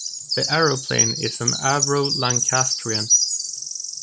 The aeroplane is an Avro Lancastrian.